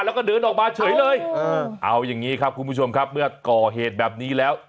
แล้วก็เดินออกมาเฉยเลยเออเอาอย่างนี้ครับคุณผู้ชมครับเมื่อก่อเหตุแบบนี้แล้ว